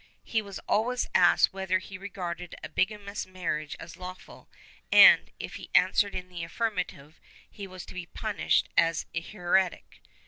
He was always asked whether he regarded a bigamous marriage as lawful and, if he answered in the affirmative, he was to be punished as a heretic.